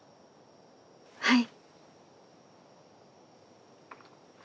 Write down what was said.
はい。